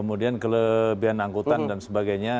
kemudian kelebihan angkutan dan sebagainya